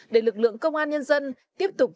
để lực lượng công an nhân dân tiếp tục